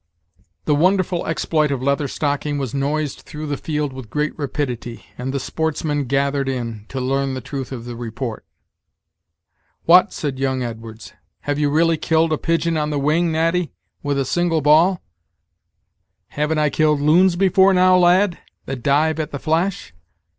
The wonderful exploit of Leather Stocking was noised through the field with great rapidity, and the sportsmen gathered in, to learn the truth of the report. "What" said young Edwards, "have you really killed a pigeon on the wing, Natty, with a single ball?" "Haven't I killed loons before now, lad, that dive at the flash?"